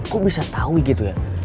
kok bisa tahu gitu ya